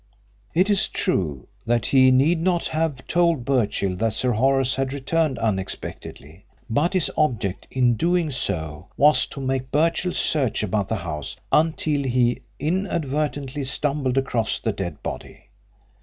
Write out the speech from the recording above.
It is true that he need not have told Birchill that Sir Horace had returned unexpectedly; but his object in doing so was to make Birchill search about the house until he inadvertently stumbled across the dead body.